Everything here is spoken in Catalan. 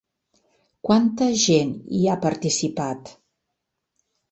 Quanta gent hi ha participat?